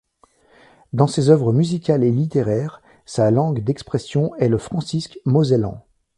Dans ses œuvres musicales et littéraires, sa langue d'expression est le francique mosellan.